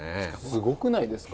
すごくないですか。